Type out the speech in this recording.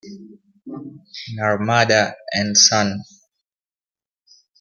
Narmada and Son.